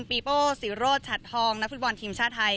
ปีโป้ศิโรธฉัดทองนักฟุตบอลทีมชาติไทย